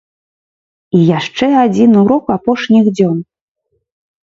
І яшчэ адзін урок апошніх дзён.